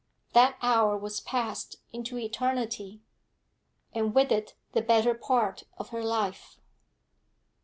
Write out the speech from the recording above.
That hour was passed into eternity, and with it the better part of her life.